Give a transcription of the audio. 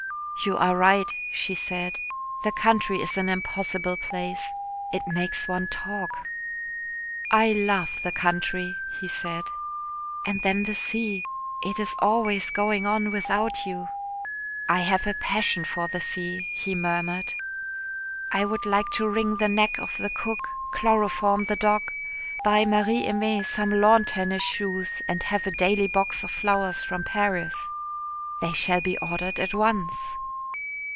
"You are right," she said, "the country is an impossible place. It makes one talk." "I love the country," he said. "And then the sea. It is always going on without you." "I have a passion for the sea," he murmured. "I would like to wring the neck of the cook, chloroform the dog, buy Marie Aimée some lawn tennis shoes, and have a daily box of flowers from Paris." "They shall be ordered at once."